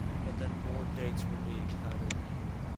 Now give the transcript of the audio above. But then more dates were being added.